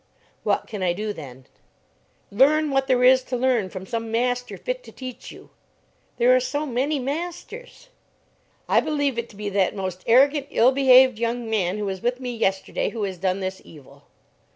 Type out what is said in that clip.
"What can I do then?" "Learn what there is to learn from some master fit to teach you." "There are so many masters." "I believe it to be that most arrogant ill behaved young man who was with me yesterday who has done this evil."